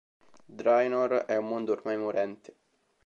Draenor è un mondo ormai morente.